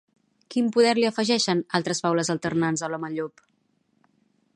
Quin poder li afegeixen, altres faules alternants, a l'home llop?